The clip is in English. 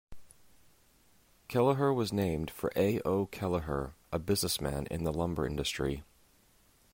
Kelliher was named for A. O. Kelliher, a businessman in the lumber industry.